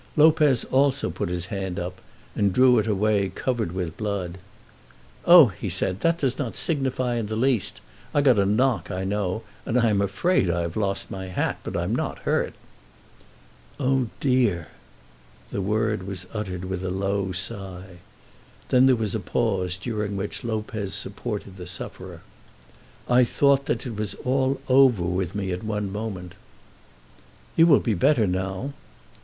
Lopez also put his hand up, and drew it away covered with blood. "Oh," said he, "that does not signify in the least. I got a knock, I know, and I am afraid I have lost my hat, but I'm not hurt." "Oh, dear!" The word was uttered with a low sigh. Then there was a pause, during which Lopez supported the sufferer. "I thought that it was all over with me at one moment." "You will be better now."